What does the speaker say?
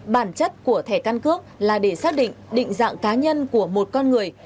bản chất của thẻ căn cước là để xác định định dạng cá nhân của một con người